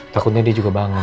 takutnya dia juga bangun